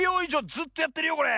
ずっとやってるよこれ。